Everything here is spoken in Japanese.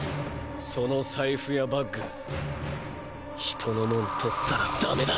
その財布やバッグ人のモン盗ったらダメだ。